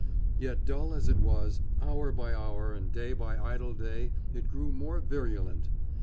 Yet dull as it was, hour by hour and day by idle day it grew more virulent.